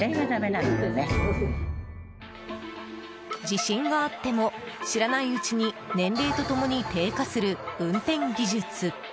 自信があっても知らないうちに年齢と共に低下する運転技術。